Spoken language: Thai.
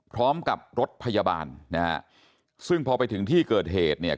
พร้อมกับรถพยาบาลนะฮะซึ่งพอไปถึงที่เกิดเหตุเนี่ย